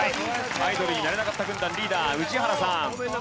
アイドルになれなかった軍団リーダー宇治原さん。